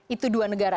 itu dua negara